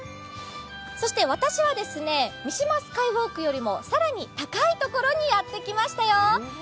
そして私は、三島スカイウォークよりも更に高い所にやってきましたよ。